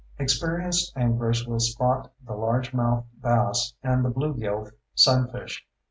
Experienced anglers will spot the largemouthed bass and the bluegill sunfish.